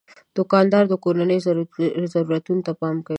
دوکاندار د کورنیو ضرورتونو ته پام کوي.